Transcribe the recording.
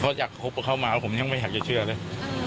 เขาอยากคบกับเขามาผมยังไม่อยากจะเชื่อเลย